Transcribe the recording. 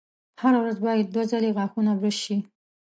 هره ورځ باید دوه ځلې غاښونه برش شي.